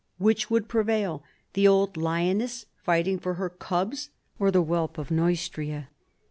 Which would prevail, the old lioness fighting for her cubs or the whelp of Neustria